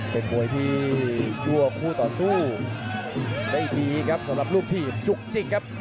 เป็นมวยที่ชั่วคู่ต่อสู้ได้ดีครับสำหรับลูกทีมจุกจิกครับ